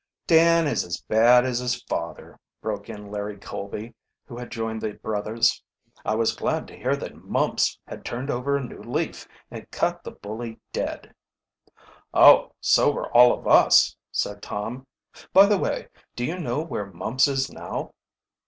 "Dan is as bad as his father," broke in Larry Colby, who had joined the brothers. "I was glad to hear that Mumps had turned over a new leaf and cut the bully dead." "Oh, so were all of us!" said Tom. "By the way, do you know where Mumps is now?